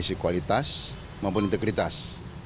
dari sikualitas maupun integritas